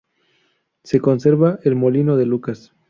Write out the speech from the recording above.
Se conserva el Molino de Lucas.